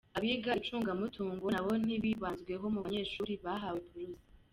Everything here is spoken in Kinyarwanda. Abiga icungamutungo nabo ntibibanzweho mu banyeshuri bahawe buruse.